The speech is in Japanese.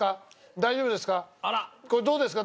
大丈夫ですか？